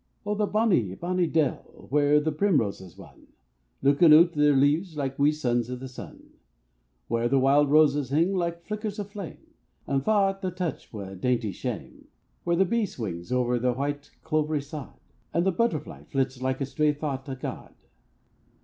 Oh! the bonny, bonny dell, whaur the primroses won, Luikin' oot o' their leaves like wee sons o' the sun; Whaur the wild roses hing like flickers o' flame, And fa' at the touch wi' a dainty shame; Whaur the bee swings ower the white clovery sod, And the butterfly flits like a stray thoucht o' God.